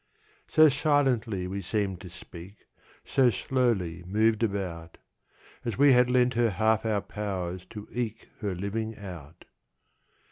So silently we seemed to speak, 5 So slowly moved about, As we had lent her half our powers, To eke her living out.